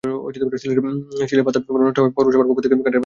স্টিলের পাটাতনগুলো নষ্ট হওয়ায় পৌরসভার পক্ষ থেকে কাঠের পাটাতন বসানো হয়।